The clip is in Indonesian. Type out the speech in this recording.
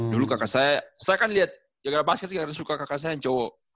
dulu kakak saya saya kan liat jagara basket juga suka kakak saya yang cowo